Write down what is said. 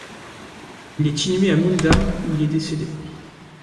Il est inhumé à Mundham où il est décédé.